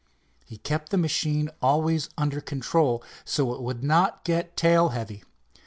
He kept the machine always under control, so it would not get tail heavy.